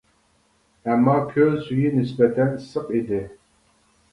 ئەمما كۆل سۈيى نىسبەتەن ئىسسىق ئىدى.